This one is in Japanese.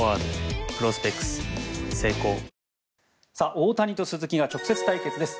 大谷と鈴木が直接対決です。